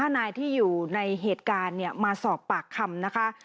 ๕นายที่อยู่ในเหตุการณ์มาสอบปากคำนะคะ